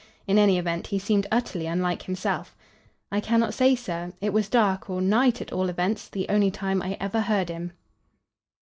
In any event, he seemed utterly unlike himself. "I cannot say, sir. It was dark or night at all events, the only time I ever heard him."